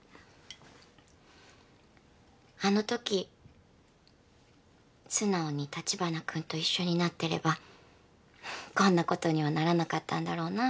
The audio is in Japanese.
あのとき素直に立花君と一緒になってればこんなことにはならなかったんだろうな。